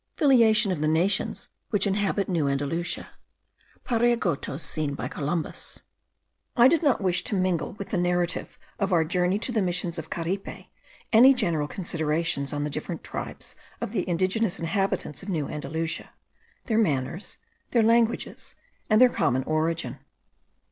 FILIATION OF THE NATIONS WHICH INHABIT NEW ANDALUCIA. PARIAGOTOS SEEN BY COLUMBUS. I did not wish to mingle with the narrative of our journey to the Missions of Caripe any general considerations on the different tribes of the indigenous inhabitants of New Andalusia; their manners, their languages, and their common origin.